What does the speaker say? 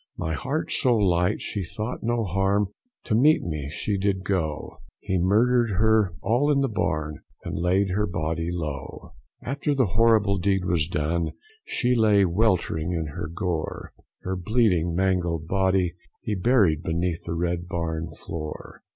With heart so light, she thought no harm, to meet him she did go He murdered her all in the barn, and laid her body low: After the horrible deed was done, she lay weltering in her gore, Her bleeding mangled body he buried beneath the Red barn floor.